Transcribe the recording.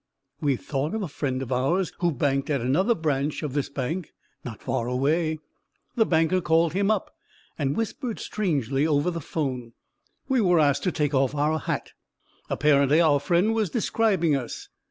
We thought of a friend of ours who banked at another branch of this bank, not far away. The banker called him up and whispered strangely over the phone. We were asked to take off our hat. Apparently our friend was describing us.